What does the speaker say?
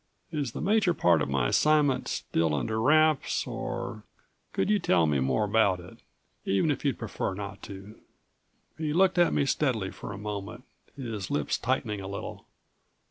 "Is the major part of my assignment still under wraps, or could you tell me more about it even if you'd prefer not to?" He looked at me steadily for a moment, his lips tightening a little.